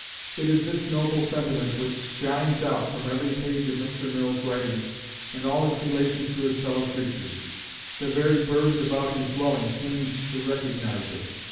It is this noble sentiment which shines out from every page of Mr. Mill's writings and all his relations to his fellow creatures: the very birds about his dwelling seemed to recognize it.